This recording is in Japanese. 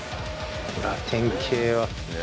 ラテン系は。